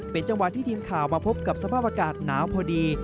เป็นจังหวะที่ทีมข่าวมาพบกับสภาพอากาศหนาวพอดี